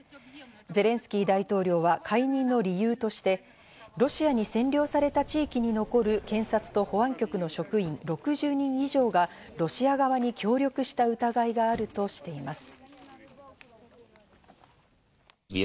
ゼレンスキー大統領は解任の理由として、ロシアに占領された地域に残る検察と保安局の職員６０人以上がロシア側に協力した疑いがあるとしています。